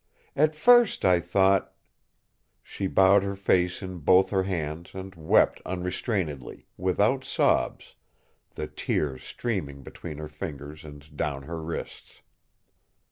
At first, I thought " She bowed her face in both her hands and wept unrestrainedly, without sobs, the tears streaming between her fingers and down her wrists.